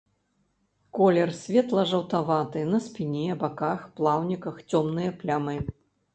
Колер светла-жаўтаваты, на спіне, баках, плаўніках цёмныя плямы.